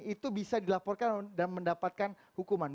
itu bisa dilaporkan dan mendapatkan hukuman